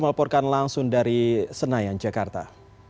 terima kasih diego basro